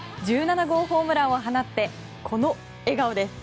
１７号ホームランを放ってこの笑顔です。